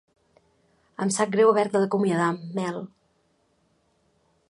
Em sap greu haver-te d'acomiadar, Mel.